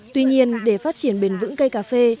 tuy nhiên để phát triển bền vững cây cà phê